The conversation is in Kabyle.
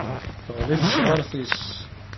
Teɣli tesɣaṛt-is.